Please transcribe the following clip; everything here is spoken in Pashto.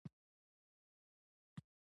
د خالق رحم تل پر تا شو.